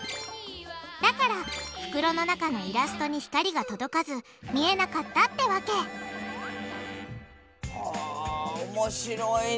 だから袋の中のイラストに光が届かず見えなかったってわけ面白いね。